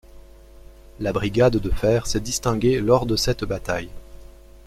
La brigade de fer s'est distinguée lors de cette bataille.